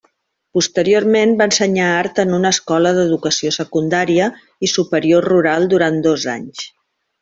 Posteriorment va ensenyar art en una escola d'educació secundària i superior rural durant dos anys.